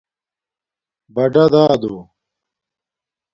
بڑادادو